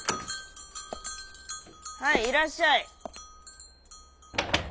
「はいいらっしゃい」。